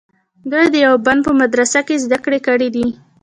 چې د دیوبند په مدرسه کې یې زده کړې کړې دي.